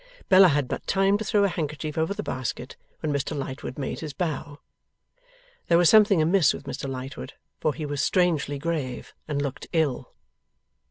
Bella had but time to throw a handkerchief over the basket, when Mr Lightwood made his bow. There was something amiss with Mr Lightwood, for he was strangely grave and looked ill.